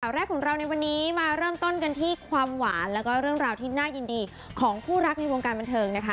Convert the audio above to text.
แรกของเราในวันนี้มาเริ่มต้นกันที่ความหวานแล้วก็เรื่องราวที่น่ายินดีของคู่รักในวงการบันเทิงนะคะ